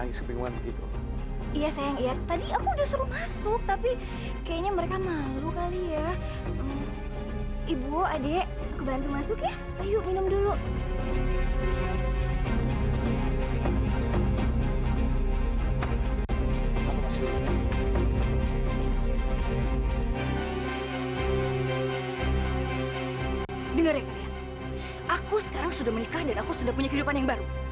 aku sekarang sudah menikah dan aku sudah punya kehidupan yang baru